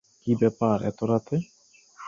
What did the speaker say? কি ব্যাপার, এতো রাতে?